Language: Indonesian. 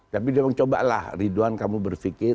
tapi dia bilang cobalah ridwan kamu berpikir